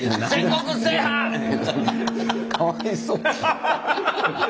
かわいそう。